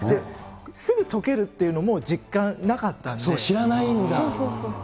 すぐとけるっていうのも実感なかったんで、知らないんだ？